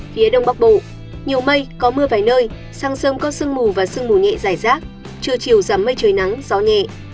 phía đông bắc bộ nhiều mây có mưa vài nơi sang sông có sương mù và sương mù nhẹ rải rác trưa chiều giắm mây trời nắng gió nhẹ